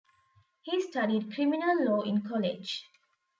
He studied criminal law in college.